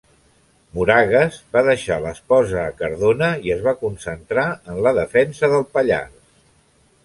Moragues va deixar l'esposa a Cardona i es va concentrar en la defensa del Pallars.